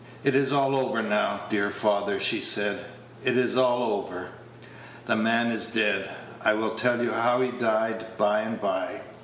"It is all over now, dear father," she said; "it is all over. The man is dead. I will tell you how he died by and by.